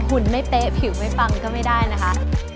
หุ่นไม่เป๊ะผิวไม่ฟังก็ไม่ได้นะคะ